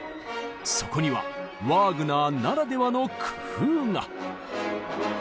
そこにはワーグナーならではの工夫が。